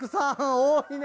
多いね。